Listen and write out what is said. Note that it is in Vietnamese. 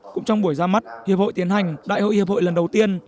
cũng trong buổi ra mắt hiệp hội tiến hành đại hội hiệp hội lần đầu tiên